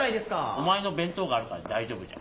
お前の弁当があるから大丈夫じゃ。